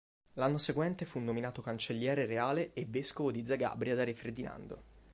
L'anno seguente fu nominato cancelliere reale e vescovo di Zagabria da re Ferdinando.